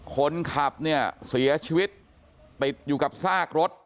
คนขับเนี่ยเสียชีวิตติดอยู่กับซากรถ